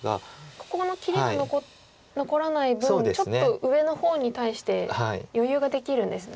ここの切りが残らない分ちょっと上の方に対して余裕ができるんですね